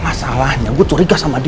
masalahnya gue curiga sama dia